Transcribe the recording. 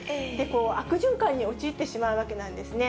悪循環に陥ってしまうわけなんですね。